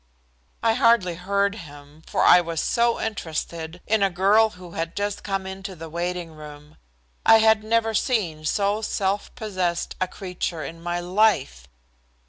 I hardly heard him, for I was so interested in a girl who had just come into the waiting room. I had never seen so self possessed a creature in my life.